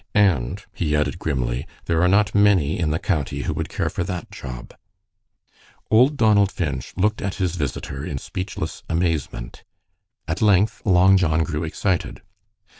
And," he added, grimly, "there are not many in the county who would care for that job." Old Donald Finch looked at his visitor in speechless amazement. At length Long John grew excited.